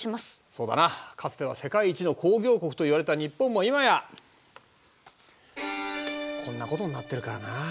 そうだなかつては世界一の工業国といわれた日本も今やこんなことになってるからな。